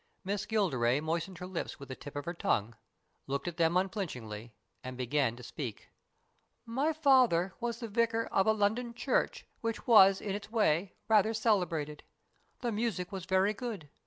Miss Gilderay moistened her lips with the tip of her tongue, looked at them unflinchingly, and began to speak. " My father was the vicar ot a London church which was in its way rather celebrated. The music was very good.